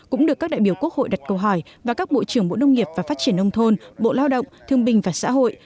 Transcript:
cũng được các đại biểu quốc hội đặt câu hỏi và các bộ trưởng bộ nông nghiệp và phát triển nông thôn bộ lao động thương bình và xã hội